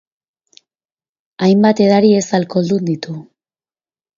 Hainbat edari ez alkoholdun ditu.